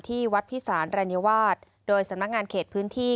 ที่วัดพิสารรัญวาสโดยสำนักงานเขตพื้นที่